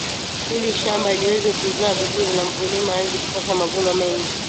ili shamba liweze kuzaa vizuri na mkulima aweze kupata mavuno mengi